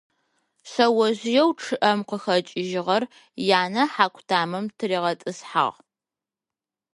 Шъэожъыеу чъыӏэм къыхэкӏыжьыгъэр янэ хьаку тамэм тыригъэтӏысхьагъ.